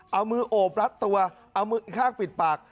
เอามือโอบรัดตัวเอามืออีกข้างปิดปาก